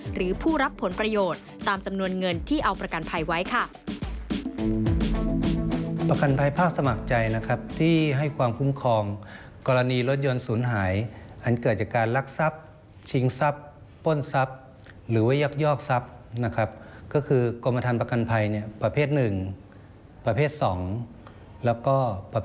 หรือผู้รับผลประโยชน์ตามจำนวนเงินที่เอาประกันภัยไว้ค่ะ